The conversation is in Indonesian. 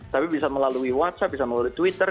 tapi bisa melalui whatsapp bisa melalui twitter